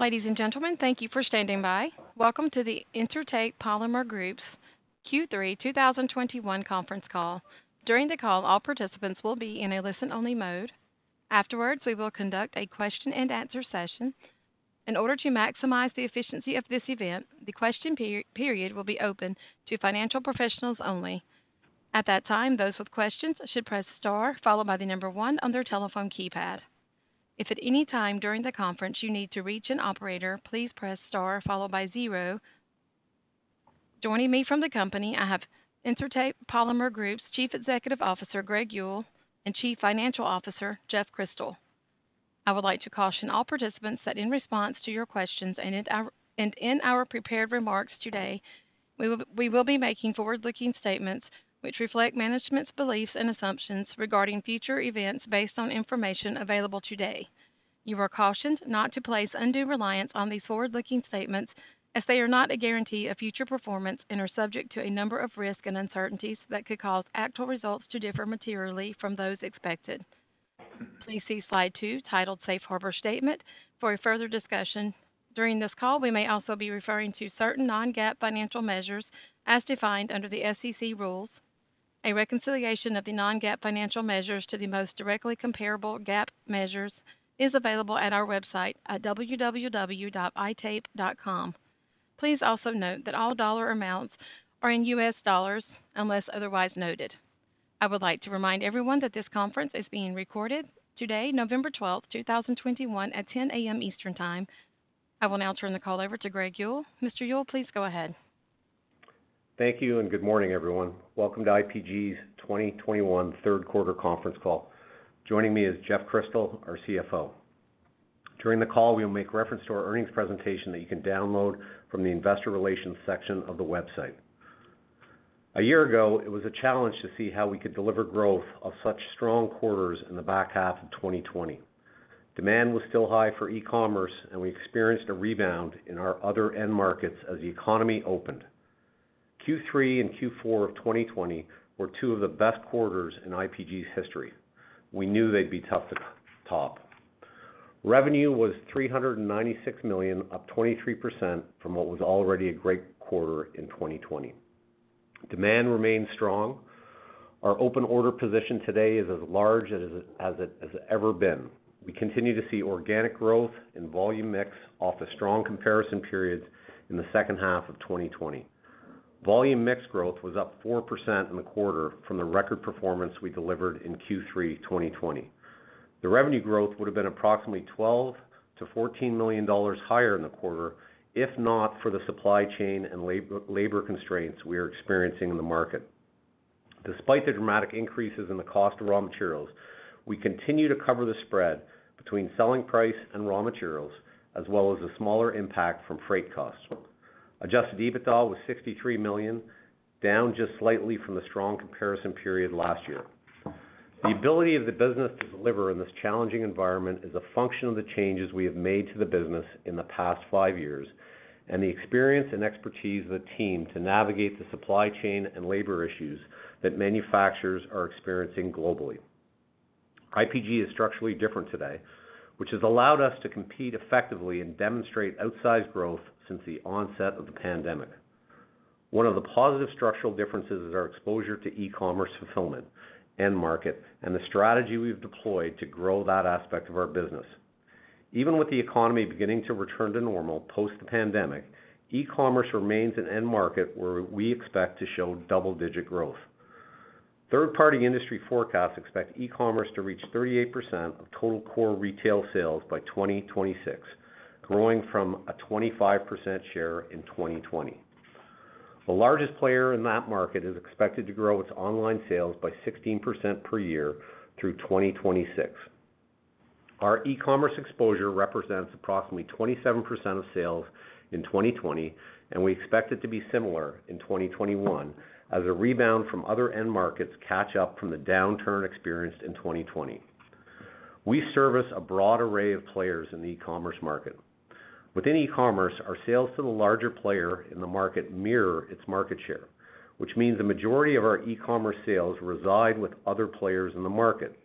Ladies and gentlemen, thank you for standing by. Welcome to the Intertape Polymer Group's Q3 2021 conference call. During the call, all participants will be in a listen-only mode. Afterwards, we will conduct a question and answer session. In order to maximize the efficiency of this event, the question and answer period will be open to financial professionals only. At that time, those with questions should press star followed by the number one on their telephone keypad. If at any time during the conference you need to reach an operator, please press star followed by zero. Joining me from the company, I have Intertape Polymer Group's Chief Executive Officer, Greg Yull, and Chief Financial Officer, Jeffrey Crystal. I would like to caution all participants that in response to your questions and in our prepared remarks today, we will be making forward-looking statements which reflect management's beliefs and assumptions regarding future events based on information available today. You are cautioned not to place undue reliance on these forward-looking statements as they are not a guarantee of future performance and are subject to a number of risks and uncertainties that could cause actual results to differ materially from those expected. Please see slide two titled Safe Harbor Statement for a further discussion. During this call, we may also be referring to certain non-GAAP financial measures as defined under the SEC rules. A reconciliation of the non-GAAP financial measures to the most directly comparable GAAP measures is available at our website at www.itape.com. Please also note that all dollar amounts are in U.S. dollars unless otherwise noted. I would like to remind everyone that this conference is being recorded today, November twelfth, two thousand twenty-one at 10:00 A.M. Eastern Time. I will now turn the call over to Greg Yull. Mr. Yull, please go ahead. Thank you and good morning, everyone. Welcome to IPG's 2021 third quarter conference call. Joining me is Jeffrey Crystal, our Chief Financial Officer. During the call, we will make reference to our earnings presentation that you can download from the investor relations section of the website. A year ago, it was a challenge to see how we could deliver growth of such strong quarters in the back half of 2020. Demand was still high for e-commerce, and we experienced a rebound in our other end markets as the economy opened. Q3 and Q4 of 2020 were two of the best quarters in IPG's history. We knew they'd be tough to top. Revenue was $396 million, up 23% from what was already a great quarter in 2020. Demand remains strong. Our open order position today is as large as it has ever been. We continue to see organic growth in volume mix off the strong comparison periods in the second half of 2020. Volume mix growth was up 4% in the quarter from the record performance we delivered in Q3 2020. The revenue growth would have been approximately $12 million-$14 million higher in the quarter if not for the supply chain and labor constraints we are experiencing in the market. Despite the dramatic increases in the cost of raw materials, we continue to cover the spread between selling price and raw materials, as well as the smaller impact from freight costs. Adjusted EBITDA was $63 million, down just slightly from the strong comparison period last year. The ability of the business to deliver in this challenging environment is a function of the changes we have made to the business in the past five years and the experience and expertise of the team to navigate the supply chain and labor issues that manufacturers are experiencing globally. IPG is structurally different today, which has allowed us to compete effectively and demonstrate outsized growth since the onset of the pandemic. One of the positive structural differences is our exposure to e-commerce fulfillment, end market, and the strategy we've deployed to grow that aspect of our business. Even with the economy beginning to return to normal post the pandemic, e-commerce remains an end market where we expect to show double-digit growth. Third-party industry forecasts expect e-commerce to reach 38% of total core retail sales by 2026, growing from a 25% share in 2020. The largest player in that market is expected to grow its online sales by 16% per year through 2026. Our e-commerce exposure represents approximately 27% of sales in 2020, and we expect it to be similar in 2021 as a rebound from other end markets catch up from the downturn experienced in 2020. We service a broad array of players in the e-commerce market. Within e-commerce, our sales to the largest player in the market mirror its market share, which means the majority of our e-commerce sales reside with other players in the market.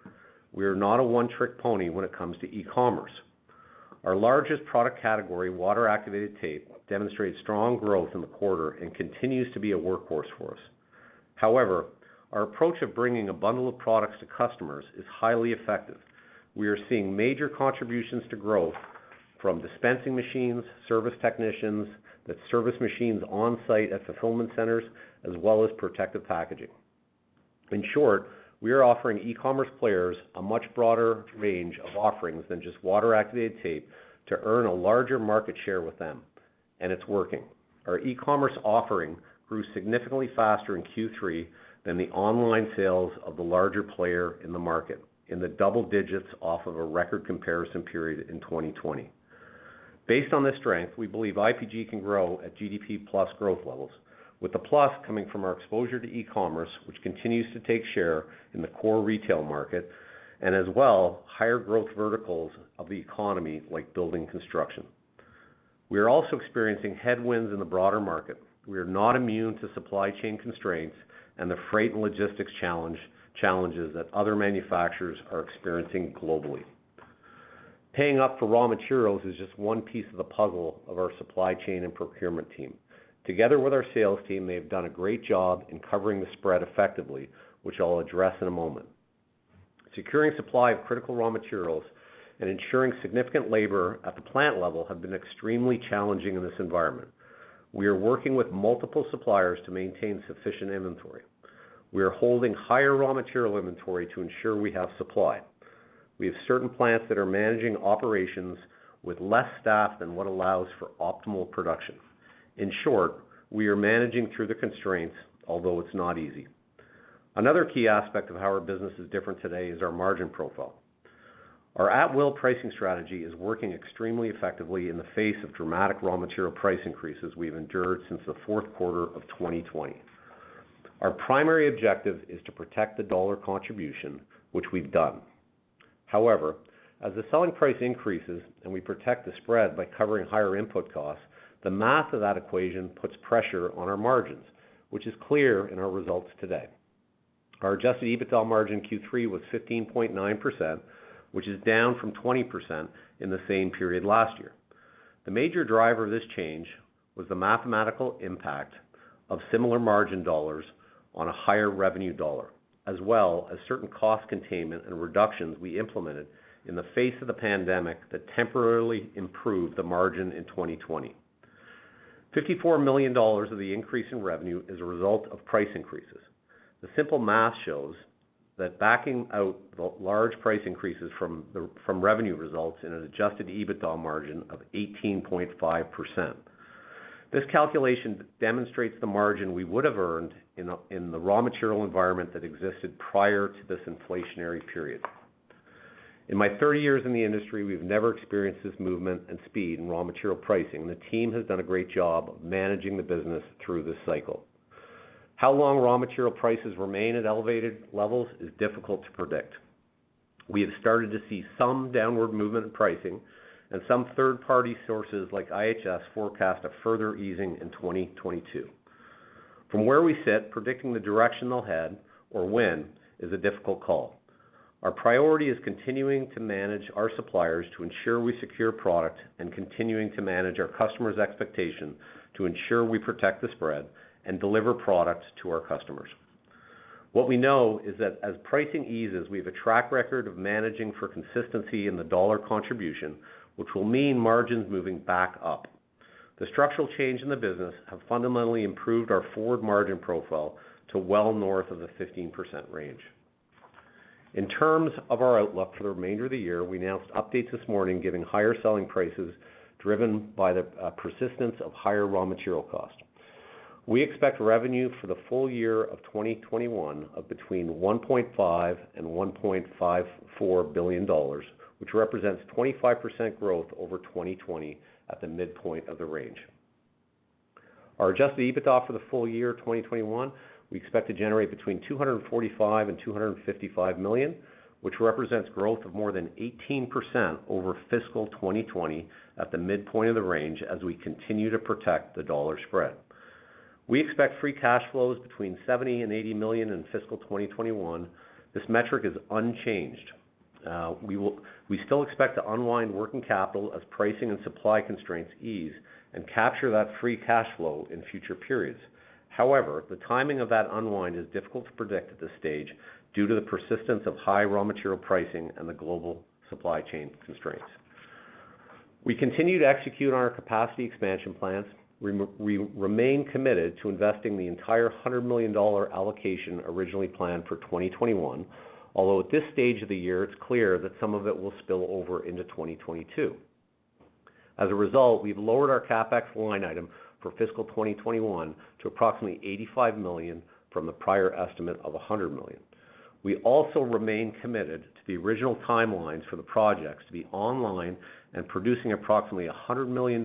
We are not a one-trick pony when it comes to e-commerce. Our largest product category, Water-Activated Tape, demonstrates strong growth in the quarter and continues to be a workhorse for us. However, our approach of bringing a bundle of products to customers is highly effective. We are seeing major contributions to growth from dispensing machines, service technicians that service machines on-site at fulfillment centers, as well as Protective Packaging. In short, we are offering e-commerce players a much broader range of offerings than just water-activated tape to earn a larger market share with them, and it's working. Our e-commerce offering grew significantly faster in Q3 than the online sales of the larger player in the market in the double digits off of a record comparison period in 2020. Based on this strength, we believe IPG can grow at GDP plus growth levels, with the plus coming from our exposure to e-commerce, which continues to take share in the core retail market, and as well, higher growth verticals of the economy like building construction. We are also experiencing headwinds in the broader market. We are not immune to supply chain constraints and the freight and logistics challenge, challenges that other manufacturers are experiencing globally. Paying up for raw materials is just one piece of the puzzle of our supply chain and procurement team. Together with our sales team, they have done a great job in covering the spread effectively, which I'll address in a moment. Securing supply of critical raw materials and ensuring significant labor at the plant level have been extremely challenging in this environment. We are working with multiple suppliers to maintain sufficient inventory. We are holding higher raw material inventory to ensure we have supply. We have certain plants that are managing operations with less staff than what allows for optimal production. In short, we are managing through the constraints, although it's not easy. Another key aspect of how our business is different today is our margin profile. Our at-will pricing strategy is working extremely effectively in the face of dramatic raw material price increases we've endured since the fourth quarter of 2020. Our primary objective is to protect the dollar contribution, which we've done. However, as the selling price increases and we protect the spread by covering higher input costs, the math of that equation puts pressure on our margins, which is clear in our results today. Our adjusted EBITDA margin in Q3 was 15.9%, which is down from 20% in the same period last year. The major driver of this change was the mathematical impact of similar margin dollars on a higher revenue dollar, as well as certain cost containment and reductions we implemented in the face of the pandemic that temporarily improved the margin in 2020. $54 million of the increase in revenue is a result of price increases. The simple math shows that backing out the large price increases from revenue results in an adjusted EBITDA margin of 18.5%. This calculation demonstrates the margin we would have earned in the raw material environment that existed prior to this inflationary period. In my 30 years in the industry, we've never experienced this movement and speed in raw material pricing. The team has done a great job managing the business through this cycle. How long raw material prices remain at elevated levels is difficult to predict. We have started to see some downward movement in pricing and some third-party sources like IHS forecast a further easing in 2022. From where we sit, predicting the direction they'll head or when is a difficult call. Our priority is continuing to manage our suppliers to ensure we secure product and continuing to manage our customers' expectation to ensure we protect the spread and deliver products to our customers. What we know is that as pricing eases, we have a track record of managing for consistency in the dollar contribution, which will mean margins moving back up. The structural change in the business have fundamentally improved our forward margin profile to well north of the 15% range. In terms of our outlook for the remainder of the year, we announced updates this morning giving higher selling prices driven by the persistence of higher raw material costs. We expect revenue for the full year of 2021 of between $1.5 billion and $1.54 billion, which represents 25% growth over 2020 at the midpoint of the range. Our adjusted EBITDA for the full year 2021, we expect to generate between $245 million and $255 million, which represents growth of more than 18% over fiscal 2020 at the midpoint of the range as we continue to protect the dollar spread. We expect free cash flows between $70 million and $80 million in fiscal 2021. This metric is unchanged. We still expect to unwind working capital as pricing and supply constraints ease and capture that free cash flow in future periods. However, the timing of that unwind is difficult to predict at this stage due to the persistence of high raw material pricing and the global supply chain constraints. We continue to execute on our capacity expansion plans. We remain committed to investing the entire $100 million allocation originally planned for 2021, although at this stage of the year, it's clear that some of it will spill over into 2022. As a result, we've lowered our CapEx line item for fiscal 2021 to approximately $85 million from the prior estimate of $100 million. We also remain committed to the original timelines for the projects to be online and producing approximately $100 million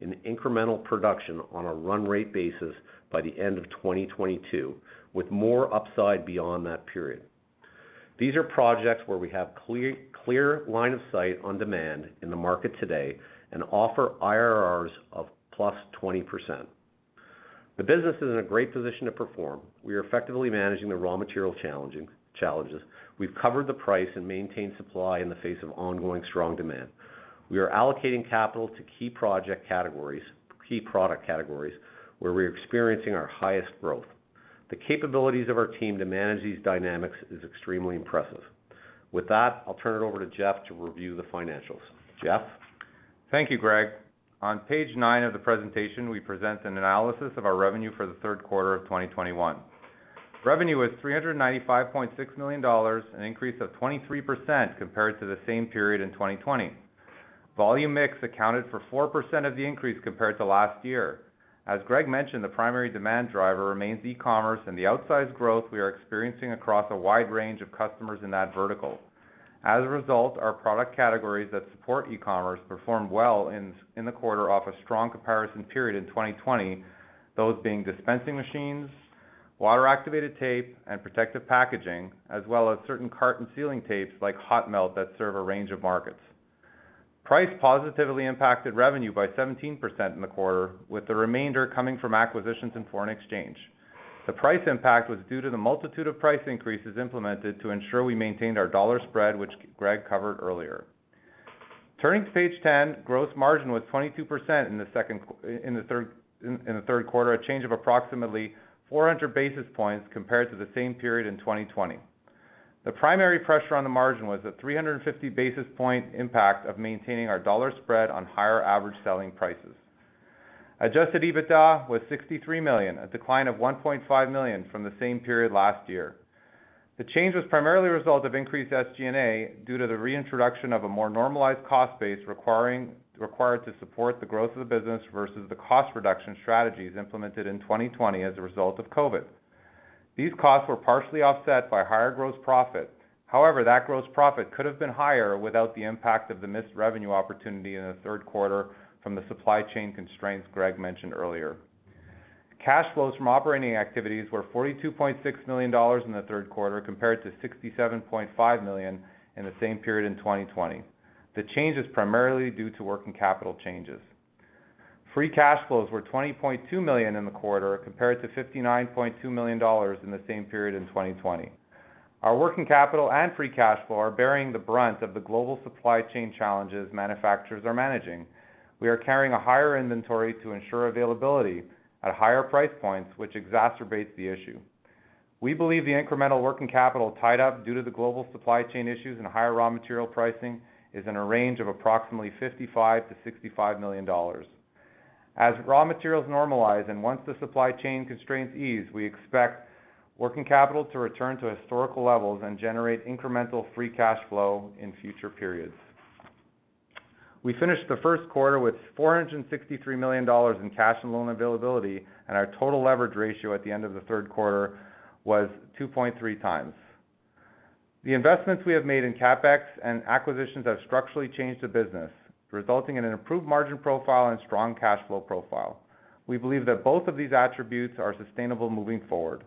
in incremental production on a run rate basis by the end of 2022, with more upside beyond that period. These are projects where we have clear line of sight on demand in the market today and offer IRRs of +20%. The business is in a great position to perform. We are effectively managing the raw material challenges. We've covered the price and maintained supply in the face of ongoing strong demand. We are allocating capital to key project categories, key product categories where we're experiencing our highest growth. The capabilities of our team to manage these dynamics is extremely impressive. With that, I'll turn it over to Jeff to review the financials. Jeff? Thank you, Greg. On page nine of the presentation, we present an analysis of our revenue for the third quarter of 2021. Revenue was $395.6 million, an increase of 23% compared to the same period in 2020. Volume mix accounted for 4% of the increase compared to last year. As Greg mentioned, the primary demand driver remains e-commerce and the outsized growth we are experiencing across a wide range of customers in that vertical. As a result, our product categories that support e-commerce performed well in the quarter off a strong comparison period in 2020, those being dispensing machines, Water-Activated Tape, and Protective Packaging, as well as certain carton sealing tapes like Hot Melt that serve a range of markets. Price positively impacted revenue by 17% in the quarter, with the remainder coming from acquisitions and foreign exchange. The price impact was due to the multitude of price increases implemented to ensure we maintained our dollar spread, which Greg Yull covered earlier. Turning to page 10, gross margin was 22% in the third quarter, a change of approximately 400 basis points compared to the same period in 2020. The primary pressure on the margin was a 350 basis point impact of maintaining our dollar spread on higher average selling prices. Adjusted EBITDA was $63 million, a decline of $1.5 million from the same period last year. The change was primarily a result of increased SG&A due to the reintroduction of a more normalized cost base required to support the growth of the business versus the cost reduction strategies implemented in 2020 as a result of COVID. These costs were partially offset by higher gross profit. However, that gross profit could have been higher without the impact of the missed revenue opportunity in the third quarter from the supply chain constraints Greg mentioned earlier. Cash flows from operating activities were $42.6 million in the third quarter, compared to $67.5 million in the same period in 2020. The change is primarily due to working capital changes. Free cash flows were $20.2 million in the quarter, compared to $59.2 million in the same period in 2020. Our working capital and free cash flow are bearing the brunt of the global supply chain challenges manufacturers are managing. We are carrying a higher inventory to ensure availability at higher price points, which exacerbates the issue. We believe the incremental working capital tied up due to the global supply chain issues and higher raw material pricing is in a range of approximately $55 million-$65 million. As raw materials normalize and once the supply chain constraints ease, we expect working capital to return to historical levels and generate incremental free cash flow in future periods. We finished the first quarter with $463 million in cash and loan availability, and our total leverage ratio at the end of the third quarter was 2.3x. The investments we have made in CapEx and acquisitions have structurally changed the business, resulting in an improved margin profile and strong cash flow profile. We believe that both of these attributes are sustainable moving forward.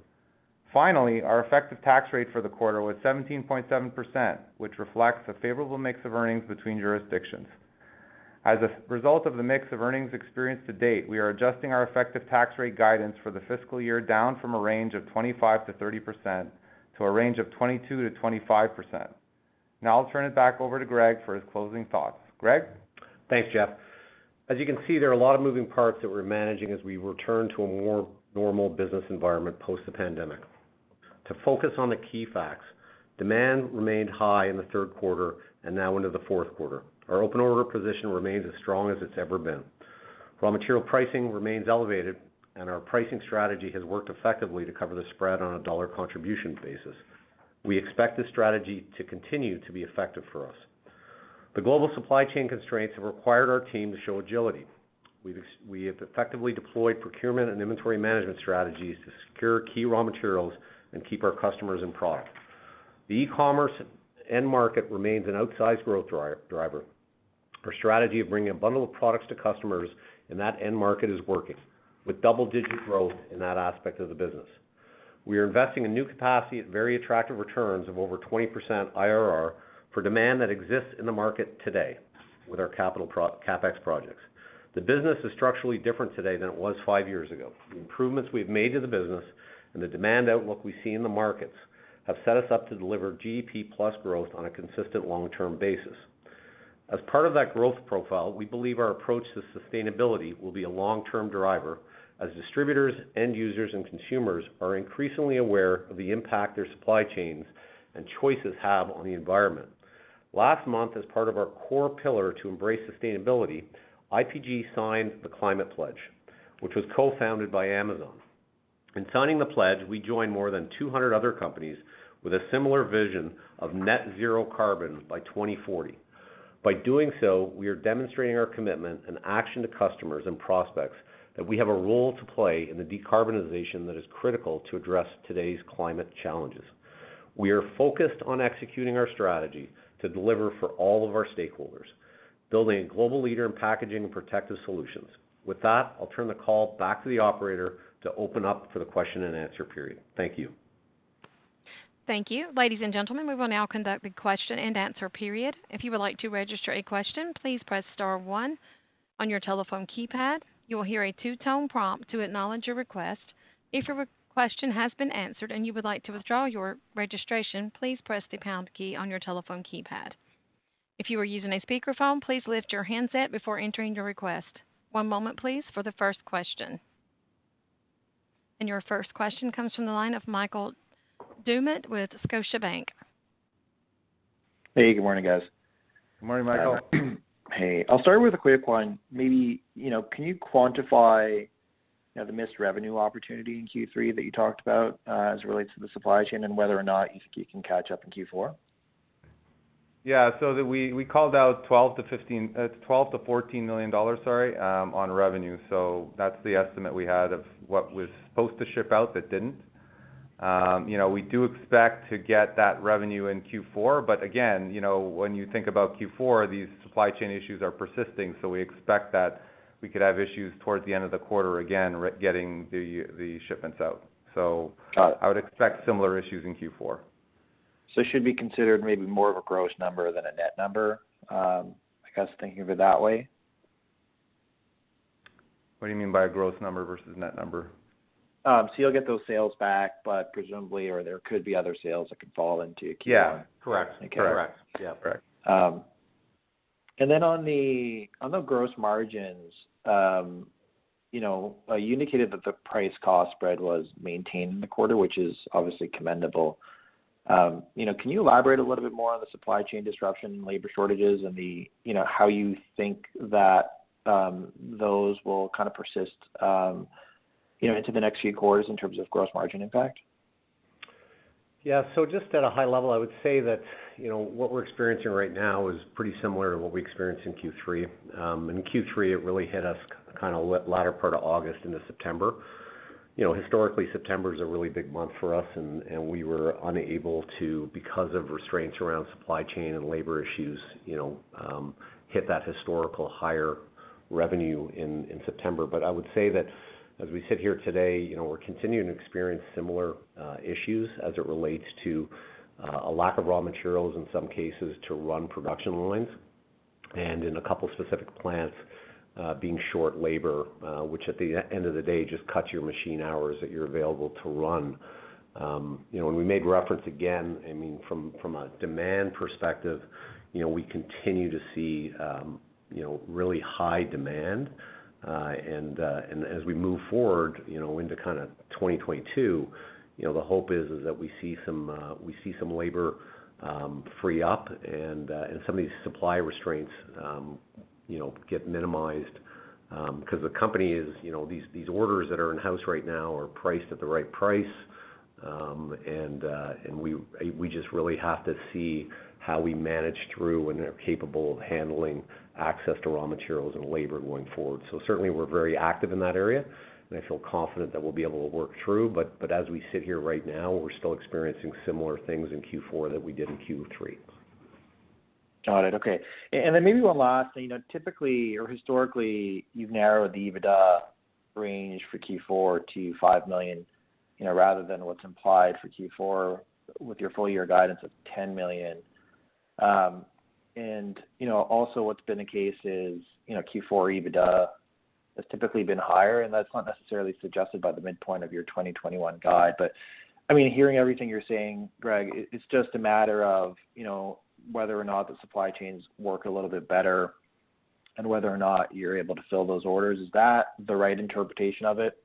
Finally, our effective tax rate for the quarter was 17.7%, which reflects a favorable mix of earnings between jurisdictions. As a result of the mix of earnings experienced to date, we are adjusting our effective tax rate guidance for the fiscal year down from a range of 25%-30% to a range of 22%-25%. Now I'll turn it back over to Greg for his closing thoughts. Greg? Thanks, Jeff. As you can see, there are a lot of moving parts that we're managing as we return to a more normal business environment post the pandemic. To focus on the key facts, demand remained high in the third quarter and now into the fourth quarter. Our open order position remains as strong as it's ever been. Raw material pricing remains elevated and our pricing strategy has worked effectively to cover the spread on a dollar contribution basis. We expect this strategy to continue to be effective for us. The global supply chain constraints have required our team to show agility. We have effectively deployed procurement and inventory management strategies to secure key raw materials and keep our customers in product. The e-commerce end market remains an outsized growth driver. Our strategy of bringing a bundle of products to customers in that end market is working with double-digit growth in that aspect of the business. We are investing in new capacity at very attractive returns of over 20% IRR for demand that exists in the market today with our CapEx projects. The business is structurally different today than it was 5 years ago. The improvements we've made to the business and the demand outlook we see in the markets have set us up to deliver GDP+ growth on a consistent long-term basis. As part of that growth profile, we believe our approach to sustainability will be a long-term driver as distributors, end users, and consumers are increasingly aware of the impact their supply chains and choices have on the environment. Last month, as part of our core pillar to embrace sustainability, IPG signed The Climate Pledge, which was co-founded by Amazon. In signing the pledge, we joined more than 200 other companies with a similar vision of net zero carbon by 2040. By doing so, we are demonstrating our commitment and action to customers and prospects that we have a role to play in the decarbonization that is critical to address today's climate challenges. We are focused on executing our strategy to deliver for all of our stakeholders, building a global leader in packaging and protective solutions. With that, I'll turn the call back to the operator to open up for the question and answer period. Thank you. Thank you. Ladies and gentlemen, we will now conduct the question and answer period. If you would like to register a question, please press star one on your telephone keypad. You will hear a two-tone prompt to acknowledge your request. If your question has been answered and you would like to withdraw your registration, please press the pound key on your telephone keypad. If you are using a speakerphone, please lift your handset before entering your request. One moment, please, for the first question. Your first question comes from the line of Michael Doumet with Scotiabank. Hey, Good morning, guys. Good morning, Michael. Hey, I'll start with a quick one. Maybe, you know, can you quantify, you know, the missed revenue opportunity in Q3 that you talked about, as it relates to the supply chain and whether or not you can catch up in Q4? Yeah. We called out $12 million-$14 million, sorry, on revenue. That's the estimate we had of what was supposed to ship out that didn't. You know, we do expect to get that revenue in Q4, but again, you know, when you think about Q4, these supply chain issues are persisting, so we expect that we could have issues towards the end of the quarter again getting the shipments out. Got it. I would expect similar issues in Q4. It should be considered maybe more of a gross number than a net number, I guess thinking of it that way? What do you mean by a gross number versus net number? You'll get those sales back, but presumably or there could be other sales that could fall into Q1. Yeah. Correct. Okay. Correct. Yeah. Correct. On the gross margins, you know, you indicated that the price cost spread was maintained in the quarter, which is obviously commendable. You know, can you elaborate a little bit more on the supply chain disruption, labor shortages and the, you know, how you think that those will kind of persist, you know, into the next few quarters in terms of gross margin impact? Just at a high level, I would say that, you know, what we're experiencing right now is pretty similar to what we experienced in Q3. In Q3 it really hit us kind of in the latter part of August into September. You know, historically September's a really big month for us, and we were unable to, because of constraints around supply chain and labor issues, you know, hit that historically higher revenue in September. I would say that as we sit here today, you know, we're continuing to experience similar issues as it relates to a lack of raw materials in some cases to run production lines, and in a couple of specific plants, being short on labor, which at the end of the day just cuts your machine hours that you're available to run. You know, we made reference again, I mean, from a demand perspective, you know, we continue to see you know, really high demand. As we move forward, you know, into kind of 2022, you know, the hope is that we see some labor free up and some of these supply constraints you know, get minimized, 'cause the company is, you know, these orders that are in-house right now are priced at the right price. We just really have to see how we manage through and are capable of handling access to raw materials and labor going forward. Certainly we're very active in that area, and I feel confident that we'll be able to work through. As we sit here right now, we're still experiencing similar things in Q4 that we did in Q3. Got it. Okay. Then maybe one last thing. You know, typically or historically, you've narrowed the EBITDA range for Q4 to $5 million, you know, rather than what's implied for Q4 with your full year guidance of $10 million. You know, also what's been the case is, you know, Q4 EBITDA has typically been higher, and that's not necessarily suggested by the midpoint of your 2021 guide. I mean, hearing everything you're saying, Greg, it's just a matter of, you know, whether or not the supply chains work a little bit better and whether or not you're able to fill those orders. Is that the right interpretation of it?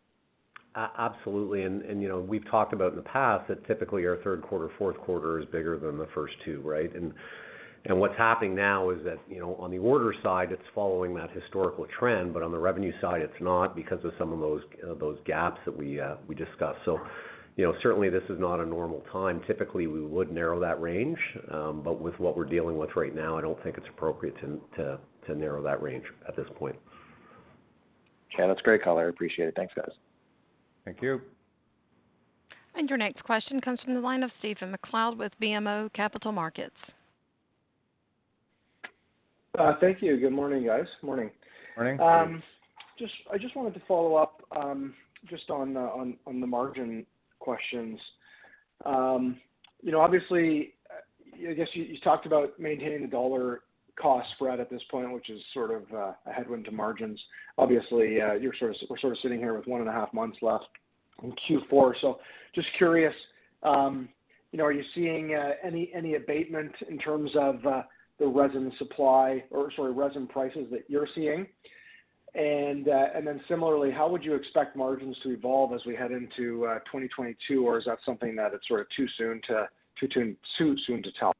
Absolutely. You know, we've talked about in the past that typically our third quarter, fourth quarter is bigger than the first two, right? What's happening now is that, you know, on the order side, it's following that historical trend, but on the revenue side, it's not because of some of those gaps that we discussed. You know, certainly this is not a normal time. Typically, we would narrow that range. With what we're dealing with right now, I don't think it's appropriate to narrow that range at this point. Okay. That's great color. I appreciate it. Thanks, guys. Thank you. Your next question comes from the line of Stephen MacLeod with BMO Capital Markets. Thank you. Good morning, guys. Morning. Morning, Steve. I just wanted to follow up, just on the margin questions. You know, obviously, I guess you talked about maintaining the dollar cost spread at this point, which is sort of a headwind to margins. Obviously, you're sort of, we're sort of sitting here with one and a half months left in Q4. So just curious, you know, are you seeing any abatement in terms of the resin supply, or sorry, resin prices that you're seeing? And then similarly, how would you expect margins to evolve as we head into 2022? Or is that something that it's sort of too soon to tell?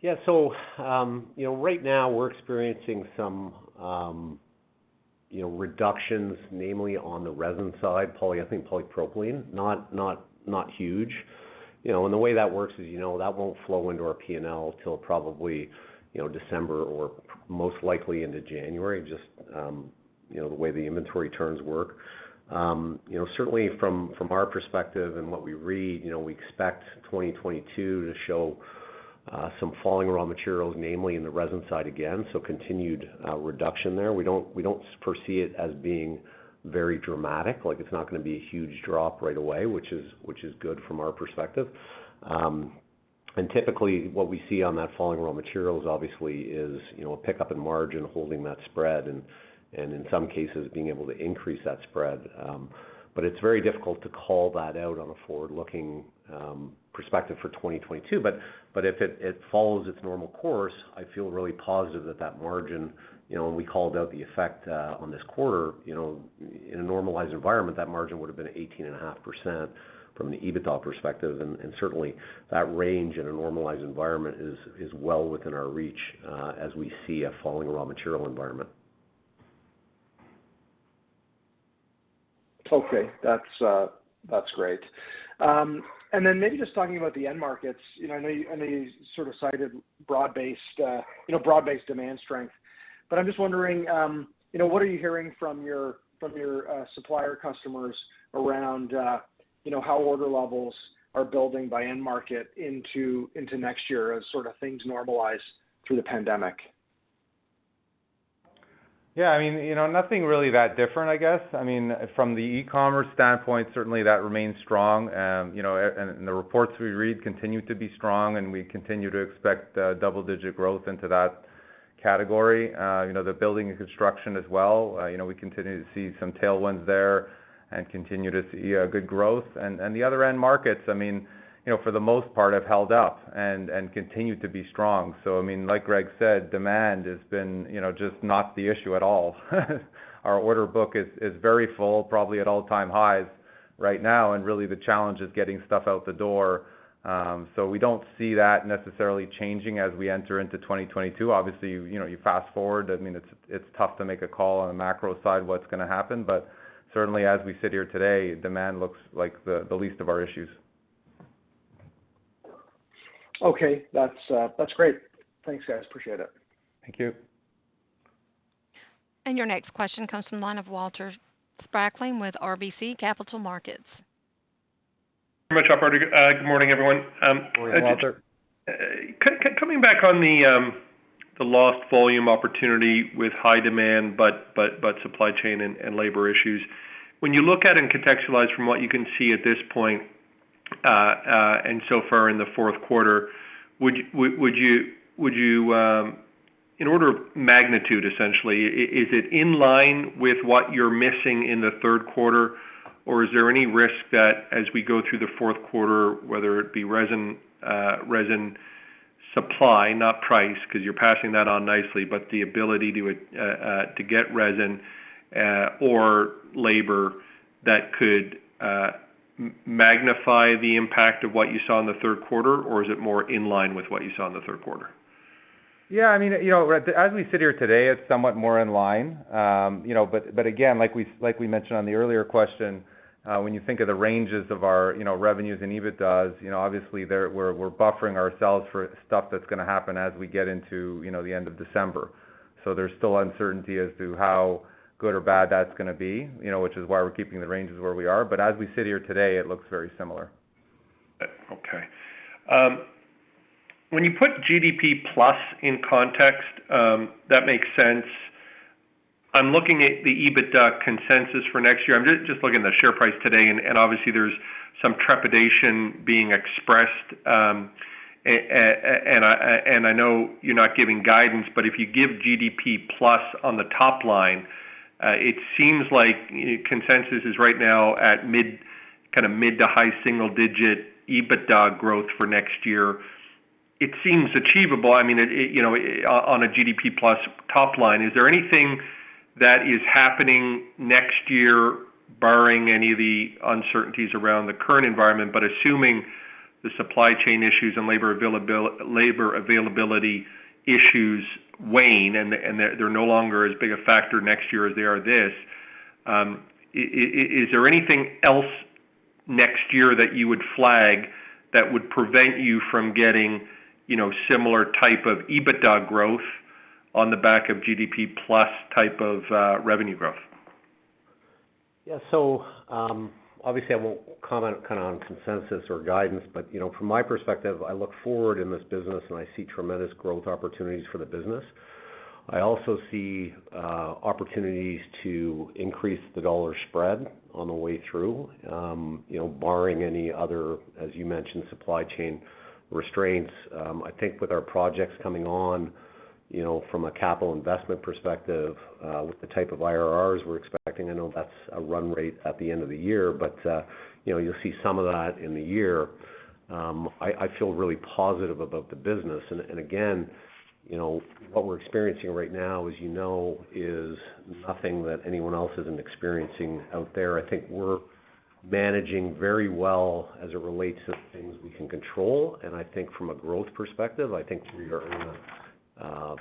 Yeah. You know, right now we're experiencing some, you know, reductions, namely on the resin side, poly, I think polypropylene, not huge. You know, the way that works is, you know, that won't flow into our P&L till probably, you know, December or most likely into January, just, you know, the way the inventory turns work. You know, certainly from our perspective and what we read, you know, we expect 2022 to show some falling raw materials, namely in the resin side again, so continued reduction there. We don't foresee it as being very dramatic, like it's not gonna be a huge drop right away, which is good from our perspective. Typically what we see on that falling raw material is obviously, you know, a pickup in margin holding that spread and in some cases being able to increase that spread. It's very difficult to call that out on a forward-looking perspective for 2022. If it follows its normal course, I feel really positive that margin, you know, when we called out the effect on this quarter, you know, in a normalized environment, that margin would've been 18.5% from the EBITDA perspective. Certainly that range in a normalized environment is well within our reach as we see a falling raw material environment. Okay. That's great. Maybe just talking about the end markets. You know, I know you sort of cited broad-based, you know, broad-based demand strength, but I'm just wondering, you know, what are you hearing from your supplier customers around, you know, how order levels are building by end market into next year as sort of things normalize through the pandemic. Yeah. I mean, you know, nothing really that different, I guess. I mean, from the e-commerce standpoint, certainly that remains strong. You know, and the reports we read continue to be strong, and we continue to expect double-digit growth into that category. You know, the building and construction as well, you know, we continue to see some tailwinds there and continue to see good growth. The other end markets, I mean, you know, for the most part have held up and continue to be strong. I mean, like Greg said, demand has been, you know, just not the issue at all. Our order book is very full, probably at all-time highs right now, and really the challenge is getting stuff out the door. We don't see that necessarily changing as we enter into 2022. Obviously, you know, you fast-forward, I mean, it's tough to make a call on the macro side what's gonna happen, but certainly as we sit here today, demand looks like the least of our issues. Okay. That's great. Thanks, guys. Appreciate it. Thank you. Your next question comes from the line of Walter Spracklin with RBC Capital Markets. very much, operator. Good morning, everyone. Morning, Walter. Coming back on the lost volume opportunity with high demand, but supply chain and labor issues. When you look at and contextualize from what you can see at this point and so far in the fourth quarter, would you, in order of magnitude, essentially, is it in line with what you're missing in the third quarter? Or is there any risk that as we go through the fourth quarter, whether it be resin supply, not price, 'cause you're passing that on nicely, but the ability to get resin or labor that could magnify the impact of what you saw in the third quarter? Or is it more in line with what you saw in the third quarter? Yeah, I mean, you know, as we sit here today, it's somewhat more in line. You know, but again, like we mentioned on the earlier question, when you think of the ranges of our, you know, revenues and EBITDAs, you know, obviously we're buffering ourselves for stuff that's gonna happen as we get into, you know, the end of December. So there's still uncertainty as to how good or bad that's gonna be, you know, which is why we're keeping the ranges where we are. As we sit here today, it looks very similar. Okay. When you put GDP plus in context, that makes sense. I'm looking at the EBITDA consensus for next year. I'm just looking at the share price today, and obviously there's some trepidation being expressed. And I know you're not giving guidance, but if you give GDP+ on the top line, it seems like consensus is right now at mid- to high-single-digit EBITDA growth for next year. It seems achievable, I mean, it you know, on a GDP+ top line. Is there anything that is happening next year, barring any of the uncertainties around the current environment, but assuming the supply chain issues and labor availability issues wane, and they're no longer as big a factor next year as they are this, is there anything else next year that you would flag that would prevent you from getting, you know, similar type of EBITDA growth on the back of GDP+ type of revenue growth? Yeah. Obviously I won't comment kind of on consensus or guidance. You know, from my perspective, I look forward in this business and I see tremendous growth opportunities for the business. I also see opportunities to increase the dollar spread on the way through, you know, barring any other, as you mentioned, supply chain restraints. I think with our projects coming on, you know, from a capital investment perspective, with the type of IRRs we're expecting, I know that's a run rate at the end of the year. You know, you'll see some of that in the year. I feel really positive about the business. And again, you know, what we're experiencing right now, as you know, is nothing that anyone else isn't experiencing out there. I think we're managing very well as it relates to the things we can control. I think from a growth perspective, I think we are in a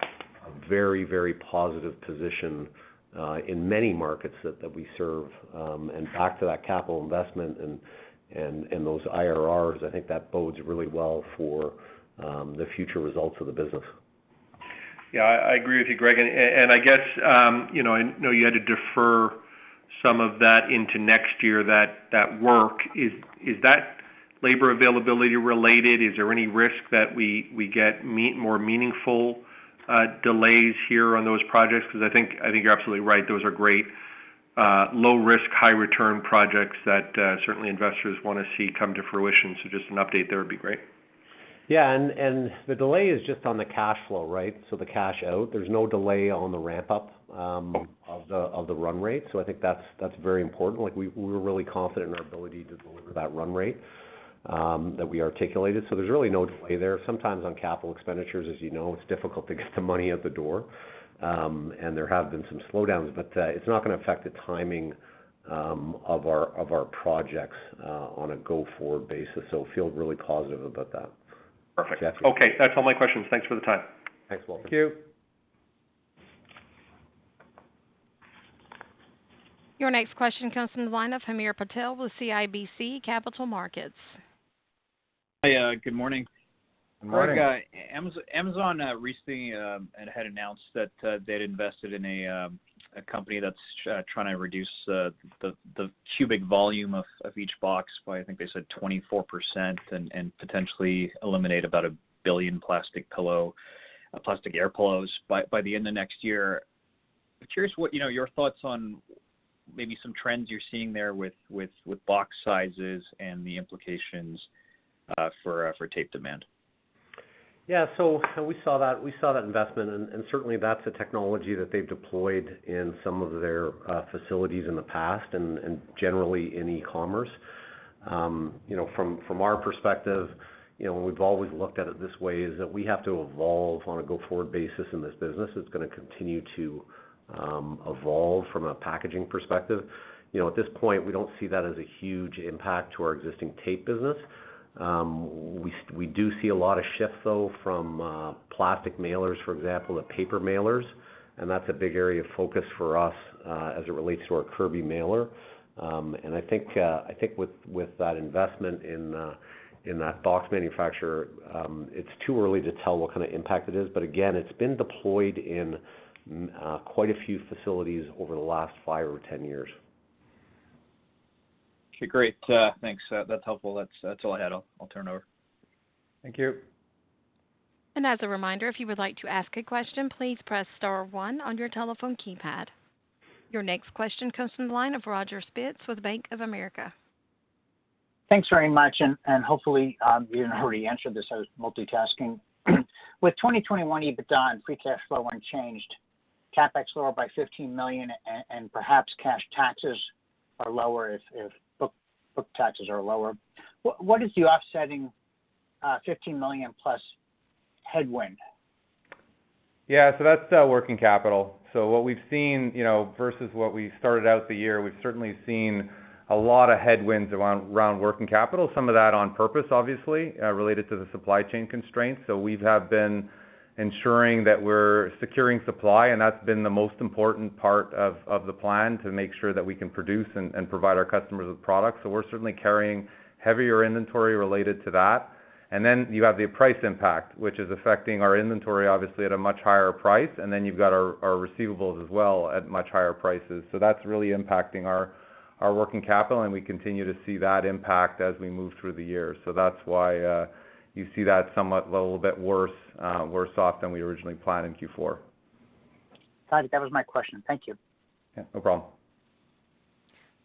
very, very positive position in many markets that we serve. Back to that capital investment and those IRRs, I think that bodes really well for the future results of the business. Yeah. I agree with you, Greg. I guess, you know, I know you had to defer some of that into next year, that work. Is that labor availability related? Is there any risk that we get more meaningful delays here on those projects? 'Cause I think you're absolutely right. Those are great, low risk, high return projects that certainly investors wanna see come to fruition. Just an update there would be great. Yeah. The delay is just on the cash flow, right? The cash out. There's no delay on the ramp-up of the run rate. I think that's very important. Like, we're really confident in our ability to deliver that run rate that we articulated. There's really no delay there. Sometimes on capital expenditures, as you know, it's difficult to get the money out the door. There have been some slowdowns, but it's not gonna affect the timing of our projects on a go-forward basis. We feel really positive about that. Perfect. Yeah. Okay. That's all my questions. Thanks for the time. Thanks, Walter. Thank you. Your next question comes from the line of Hamir Patel with CIBC Capital Markets. Hi, good morning. Good morning. Greg, Amazon recently had announced that they'd invested in a company that's trying to reduce the cubic volume of each box by, I think they said 24% and potentially eliminate about 1 billion plastic air pillows by the end of next year. I'm curious what, you know, your thoughts on maybe some trends you're seeing there with box sizes and the implications for tape demand. We saw that investment, and certainly that's a technology that they've deployed in some of their facilities in the past and generally in e-commerce. From our perspective, you know, we've always looked at it this way, is that we have to evolve on a go-forward basis in this business. It's gonna continue to evolve from a packaging perspective. You know, at this point, we don't see that as a huge impact to our existing tape business. We do see a lot of shifts though from plastic mailers, for example, to paper mailers, and that's a big area of focus for us as it relates to our Curby Mailer. I think with that investment in that box manufacturer, it's too early to tell what kind of impact it is. But again, it's been deployed in quite a few facilities over the last five or 10 years. Okay, great. Thanks. That's helpful. That's all I had. I'll turn it over. Thank you. As a reminder, if you would like to ask a question, please press star one on your telephone keypad. Your next question comes from the line of Roger Spitz with Bank of America. Thanks very much. Hopefully, you already answered this. I was multitasking. With 2021 EBITDA and free cash flow unchanged, CapEx lower by $15 million and perhaps cash taxes are lower if book taxes are lower, what is the offsetting $15 million plus headwind? Yeah. That's working capital. What we've seen, you know, versus what we started out the year, we've certainly seen a lot of headwinds around working capital, some of that on purpose, obviously, related to the supply chain constraints. We've been ensuring that we're securing supply, and that's been the most important part of the plan to make sure that we can produce and provide our customers with product. We're certainly carrying heavier inventory related to that. You have the price impact, which is affecting our inventory obviously at a much higher price. You've got our receivables as well at much higher prices. That's really impacting our working capital, and we continue to see that impact as we move through the year. That's why you see that somewhat a little bit worse off than we originally planned in Q4. Got it. That was my question. Thank you. Yeah, no problem.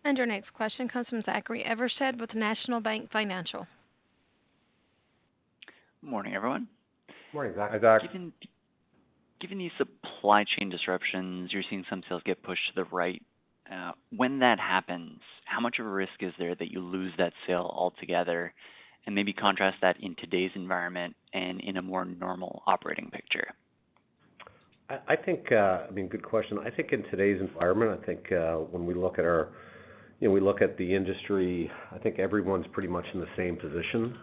Our next question comes from Zachary Evershed with National Bank Financial. Morning, everyone. Morning, Zach. Hey, Zach. Given the supply chain disruptions, you're seeing some sales get pushed to the right. When that happens, how much of a risk is there that you lose that sale altogether? Maybe contrast that in today's environment and in a more normal operating picture. I think, I mean, good question. I think in today's environment, when we look at our, you know, we look at the industry, I think everyone's pretty much in the same position.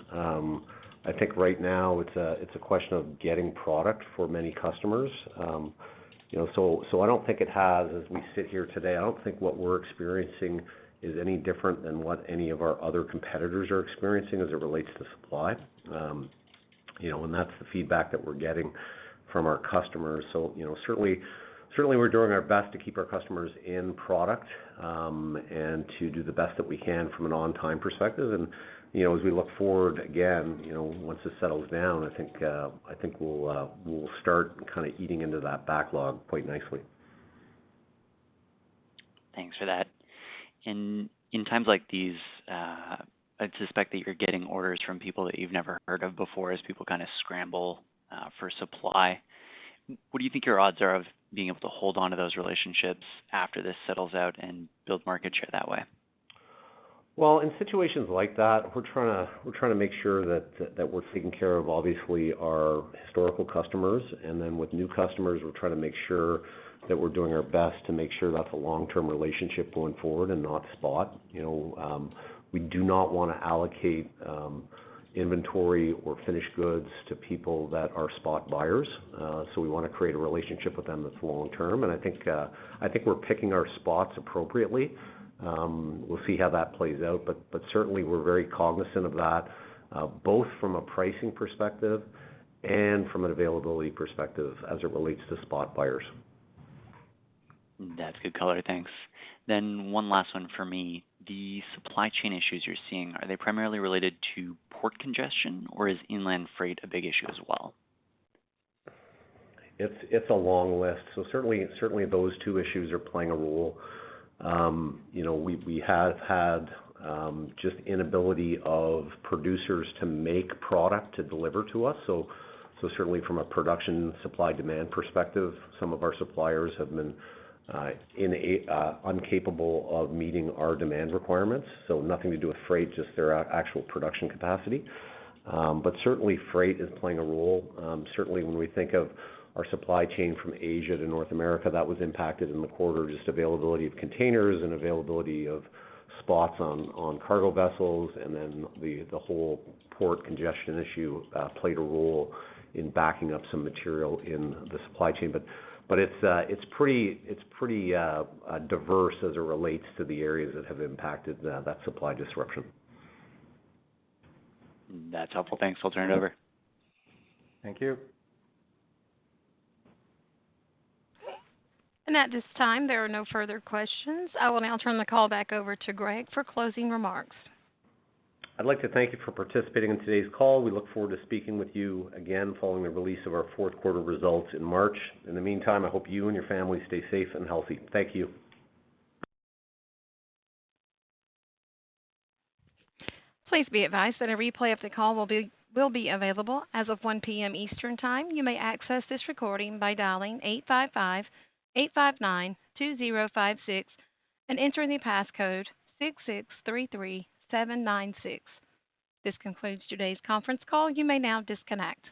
I think right now it's a question of getting product for many customers. You know, I don't think it has, as we sit here today, I don't think what we're experiencing is any different than what any of our other competitors are experiencing as it relates to supply. You know, and that's the feedback that we're getting from our customers. You know, certainly we're doing our best to keep our customers in product, and to do the best that we can from an on-time perspective. You know, as we look forward again, you know, once this settles down, I think we'll start kinda eating into that backlog quite nicely. Thanks for that. In times like these, I'd suspect that you're getting orders from people that you've never heard of before as people kinda scramble for supply. What do you think your odds are of being able to hold onto those relationships after this settles out and build market share that way? Well, in situations like that, we're trying to make sure that we're taking care of, obviously, our historical customers. With new customers, we're trying to make sure that we're doing our best to make sure that's a long-term relationship going forward and not spot. You know, we do not wanna allocate inventory or finished goods to people that are spot buyers. So we wanna create a relationship with them that's long-term. I think we're picking our spots appropriately. We'll see how that plays out, but certainly we're very cognizant of that both from a pricing perspective and from an availability perspective as it relates to spot buyers. That's good color. Thanks. One last one for me. The supply chain issues you're seeing, are they primarily related to port congestion, or is inland freight a big issue as well? It's a long list. Certainly those two issues are playing a role. You know, we have had just inability of producers to make product to deliver to us. Certainly from a production supply-demand perspective, some of our suppliers have been incapable of meeting our demand requirements. Nothing to do with freight, just their actual production capacity. But certainly freight is playing a role. Certainly when we think of our supply chain from Asia to North America, that was impacted in the quarter, just availability of containers and availability of spots on cargo vessels, and then the whole port congestion issue played a role in backing up some material in the supply chain. It's pretty diverse as it relates to the areas that have impacted the supply disruption. That's helpful. Thanks. I'll turn it over. Thank you. At this time, there are no further questions. I will now turn the call back over to Greg for closing remarks. I'd like to thank you for participating in today's call. We look forward to speaking with you again following the release of our fourth quarter results in March. In the meantime, I hope you and your family stay safe and healthy. Thank you. Please be advised that a replay of the call will be available as of 1:00 P.M. Eastern Time. You may access this recording by dialing 855-859-2056 and entering the passcode 6633796. This concludes today's conference call. You may now disconnect.